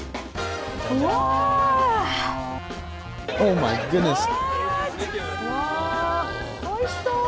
うわあ、おいしそう。